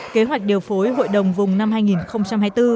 kế hoạch điều phối hội đồng vùng năm hai nghìn hai mươi bốn